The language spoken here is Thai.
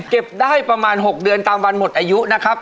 เก็บได้ประมาณ๖เดือนตามวันหมดอายุนะครับ